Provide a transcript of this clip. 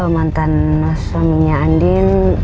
mantan suaminya andin